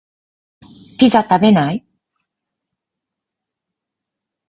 ピザ食べない？